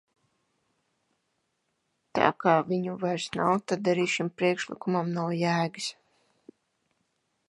Tā kā viņu vairs nav, tad arī šim priekšlikumam nav jēgas.